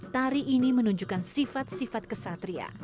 tari ini menunjukkan sifat sifat kesatria